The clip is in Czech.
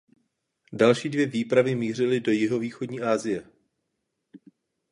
Další dvě výpravy mířily do jihovýchodní Asie.